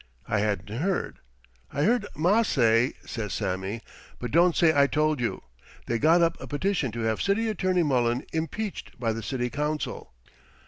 I hadn't heard. 'I heard ma say,' says Sammy, 'but don't say I told you. They got up a petition to have City Attorney Mullen impeached by the City Council.'